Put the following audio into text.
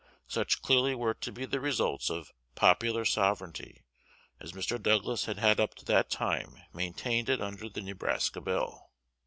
Such clearly were to be the results of "popular sovereignty," as Mr. Douglas had up to that time maintained it under the Nebraska Bill.